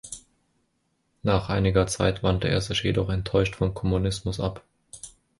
Nach einiger Zeit wandte er sich jedoch enttäuscht vom Kommunismus ab.